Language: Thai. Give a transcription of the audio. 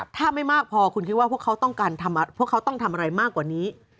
ถ้าไม่มากพอคุณคิดว่าพวกเขาต้องการพวกเขาต้องทำอะไรมากกว่านี้